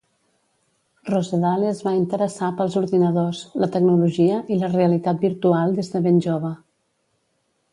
Rosedale es va interessar pels ordinadors, la tecnologia i la realitat virtual des de ben jove.